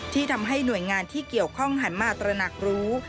ที่ทำให้หน่วยงานที่เกี่ยวข้องหันมาตระหนักรู้